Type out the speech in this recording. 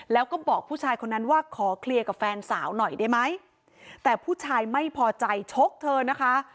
แล้วก็บอกผู้ชายคนนั้นว่าขอเคลียร์กับแฟนสาวหน่อยได้ไหมแต่ผู้ชายไม่พอใจชกเธอนะคะ